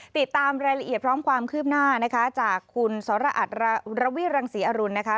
ติดตามรายละเอียดพร้อมความคืบหน้านะคะจากคุณสรอัตระวิรังศรีอรุณนะคะ